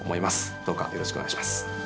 どうかよろしくお願いします。